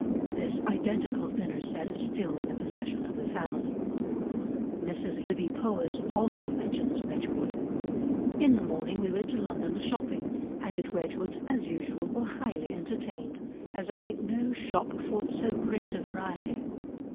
This identical dinner set is still in the possession of the family. Mrs. Lybbe Powys also mentions Wedgwood. "In the morning we went to London a shopping, and at Wedgwood's as usual were highly entertained, as I think no shop affords so great a variety."